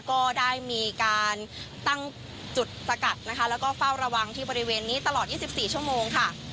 ก็ได้มีการตั้งจุดสกัดนะคะแล้วก็เฝ้าระวังที่บริเวณนี้ตลอด๒๔ชั่วโมงค่ะ